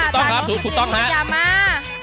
ตรงคือนี่จะยำมา